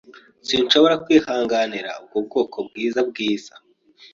Sinshobora kwihanganira ubwo bwoko bwiza-bwiza.